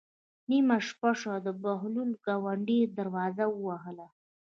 نیمه شپه شوه د بهلول ګاونډي دروازه ووهله.